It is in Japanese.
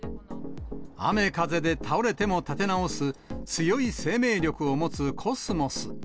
雨風で倒れても立て直す強い生命力を持つコスモス。